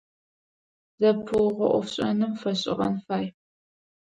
Зэпыугъо IофшIэным фэшIыгъэн фай.